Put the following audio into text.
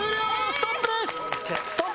ストップです！